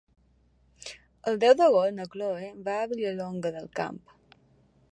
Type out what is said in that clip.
El deu d'agost na Cloè va a Vilallonga del Camp.